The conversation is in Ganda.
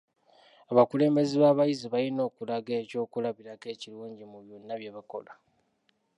Abakulembeze b'abayizi balina okulaga ekyokulabirako ekirungi mu byonna bye bakola.